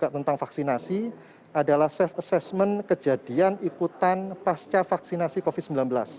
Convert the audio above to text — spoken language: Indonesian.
dan juga tentang vaksinasi adalah self assessment kejadian ikutan pasca vaksinasi covid sembilan belas